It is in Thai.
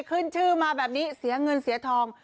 ขึ้นชื่อมาแบบนี้เสียเงินเสียทอง